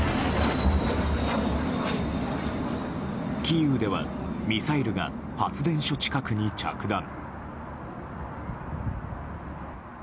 キーウではミサイルが発電所近くに着弾。